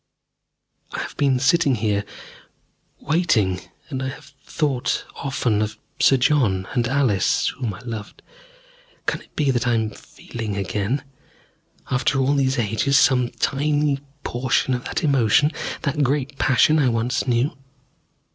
I have been sitting here, waiting, and I have thought often of Sir John and Alice, whom I loved. Can it be that I am feeling again, after all these ages, some tiny portion of that emotion, that great passion I once knew?